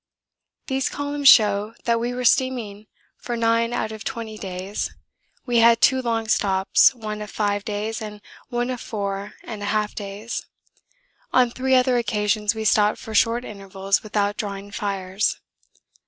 These columns show that we were steaming for nine out of twenty days. We had two long stops, one of five days and one of four and a half days. On three other occasions we stopped for short intervals without drawing fires.